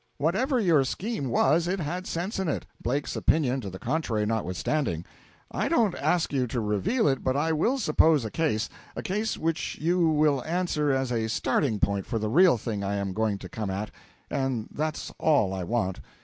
Whatever your scheme was, it had sense in it, Blake's opinion to the contrary notwithstanding. I don't ask you to reveal it, but I will suppose a case a case which will answer as a starting point for the real thing I am going to come at, and that's all I want.